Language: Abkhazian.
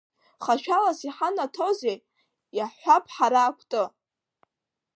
Хашәалас иҳанаҭозеи, иаҳҳәап, ҳара акәты?